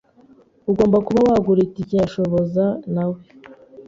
Ugomba kuba wagura itike ya Shoboza , nawe.